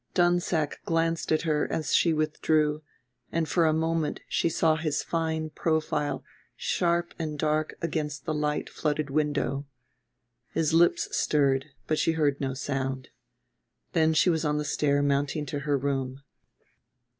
Dunsack glanced at her as she withdrew, and for a moment she saw his fine profile sharp and dark against the light flooded window. His lips stirred but she heard no sound. Then she was on the stair mounting to her room.